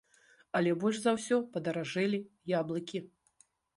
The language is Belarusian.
Але больш за ўсё падаражэлі яблыкі.